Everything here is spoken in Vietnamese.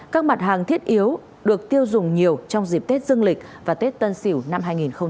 các mặt hàng thiết yếu được tiêu dùng nhiều trong dịp tết dương lịch và tết tân sỉu năm hai nghìn hai mươi một